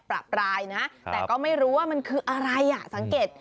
ประปรายนะแต่ก็ไม่รู้ว่ามันคืออะไรอ่ะสังเกต